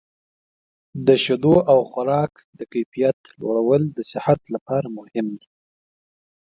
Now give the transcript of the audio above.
د شیدو او خوراک د کیفیت لوړول د صحت لپاره مهم دي.